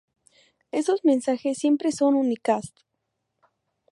Estos mensajes siempre son unicast.